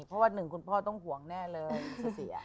เพราะว่าหนึ่งคุณพ่อต้องห่วงแน่เลยเสีย